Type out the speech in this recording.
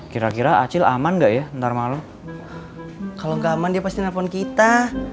kira kira acil aman nggak ya ntar malam kalau nggak aman dia pasti nelfon kita